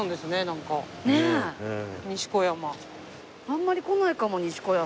あんまり来ないかも西小山。